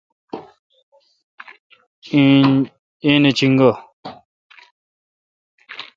ایں نہ چینگہ۔۔